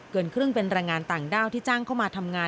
เกินครึ่งเป็นแรงงานต่างด้าวที่จ้างเข้ามาทำงาน